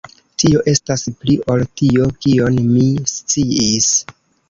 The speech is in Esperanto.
Tio estas pli ol tio, kion mi sciis.